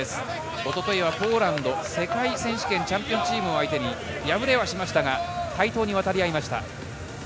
おとといはポーランド、世界選手権チャンピオンチームを相手に敗れはしましたが、対等に渡り合いました。